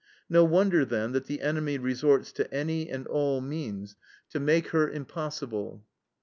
No wonder, then, that the enemy resorts to any and all means to make her impossible.